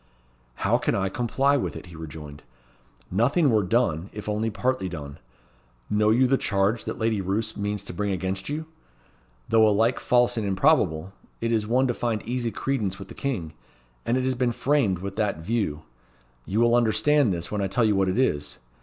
"How can I comply with it?" he rejoined. "Nothing were done, if only partly done. Know you the charge that Lady Roos means to bring against you? Though alike false and improbable, it is one to find easy credence with the King; and it has been framed with that view. You will understand this, when I tell you what it is.